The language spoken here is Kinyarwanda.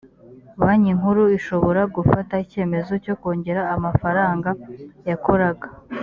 banki nkuru ishobora gufata icyemezo cyo kongera amafaranga yakoraga